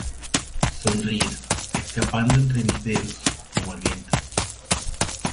Sonríes, escapando entre mis dedos, como el viento